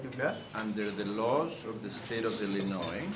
dan kita menuntut perusahaan amerika